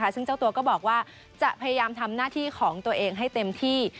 ซึ่งเจ้าตัวก็บอกว่าจะพยายามทำหน้าที่ของตัวเองให้เต็มที่